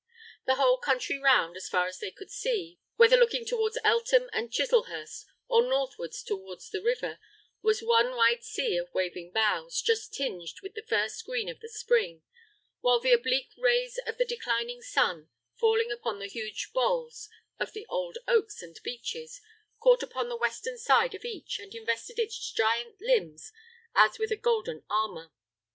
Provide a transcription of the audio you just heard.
The whole country round, as far as they could see, whether looking towards Eltham and Chiselhurst, or northwards towards the river, was one wide sea of waving boughs, just tinged with the first green of the spring; while the oblique rays of the declining sun, falling upon the huge bolls of the old oaks and beeches, caught upon the western side of each, and invested its giant limbs as with a golden armour.